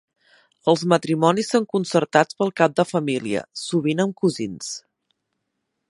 Els matrimonis són concertats pel cap de família, sovint amb cosins.